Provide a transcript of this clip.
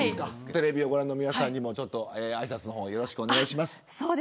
テレビをご覧の皆さんにもあいさつをお願いします。